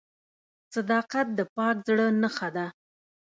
• صداقت د پاک زړه نښه ده.